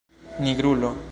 nigrulo